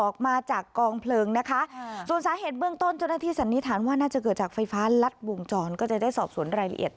เข้าไปโรงพยาบาลก่อน